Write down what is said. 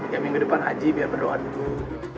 ya minggu depan haji biar berdoa dulu